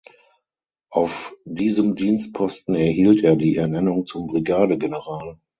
Auf diesem Dienstposten erhielt er die Ernennung zum Brigadegeneral.